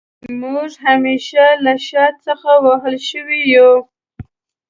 موږ همېشه له شا څخه وهل شوي يو